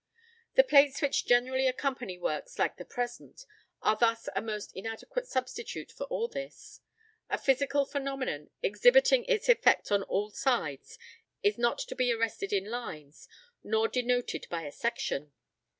The plates which generally accompany works like the present are thus a most inadequate substitute for all this; a physical phenomenon exhibiting its effects on all sides is not to be arrested in lines nor denoted by a section.